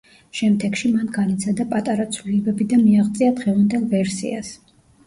შემდეგში მან განიცადა პატარა ცვლილებები და მიაღწია დღევანდელ ვერსიას.